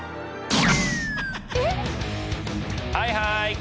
はいはい！